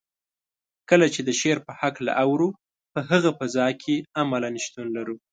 کله چې د شعر په هکله اورو په هغه فضا کې عملاً شتون لرو.